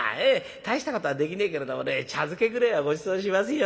大したことはできねえけれどもね茶漬けぐれえはごちそうしますよ。